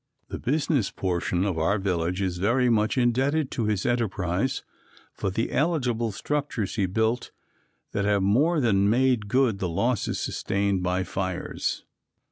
The business portion of our village is very much indebted to his enterprise for the eligible structures he built that have more than made good the losses sustained by fires.